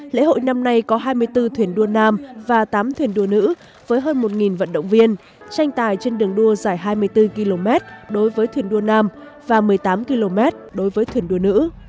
lễ hội năm nay có hai mươi bốn thuyền đua nam và tám thuyền đua nữ với hơn một vận động viên tranh tài trên đường đua dài hai mươi bốn km đối với thuyền đua nam và một mươi tám km đối với thuyền đua nữ